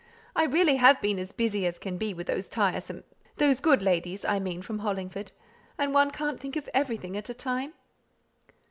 I really have been as busy as can be with those tiresome those good ladies, I mean, from Hollingford and one can't think of everything at a time."